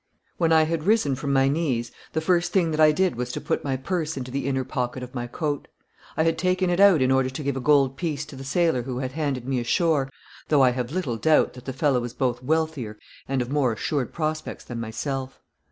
When I had risen from my knees, the first thing that I did was to put my purse into the inner pocket of my coat. I had taken it out in order to give a gold piece to the sailor who had handed me ashore, though I have little doubt that the fellow was both wealthier and of more assured prospects than myself.